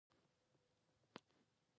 دا د هډوکو د سولیدلو مخه نیسي.